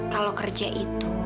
kalau kerja itu